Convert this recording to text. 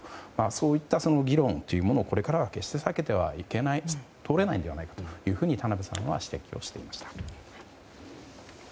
そういった議論をこれからは決して避けて通れないのではないかと田辺さんは指摘をしていました。